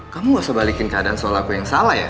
kamu gak usah balikin keadaan soal aku yang salah ya